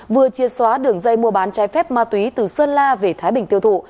vừa chia xóa đường dây mua bán trái phép ma túy từ sơn la về thái bình tiêu thụ